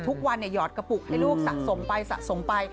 ทุกวันหยอดกระปุกให้ลูกสะสมไป